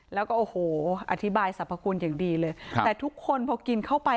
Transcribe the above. แล้วก็โอ้โหอธิบายสรรพคุณอย่างดีเลยครับแต่ทุกคนพอกินเข้าไป